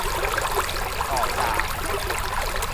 ต่อจาก